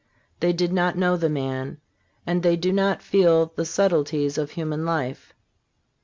They did not know the man, and they do not feel the subtleties of human life.